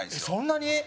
そんなに？